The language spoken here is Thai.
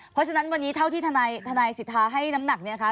เพราะฉะนั้นวันนี้เท่าที่ทนายสิทธาให้น้ำหนักเนี่ยค่ะ